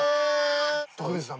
徳光さん